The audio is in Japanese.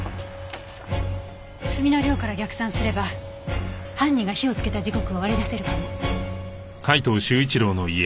炭の量から逆算すれば犯人が火をつけた時刻を割り出せるかも。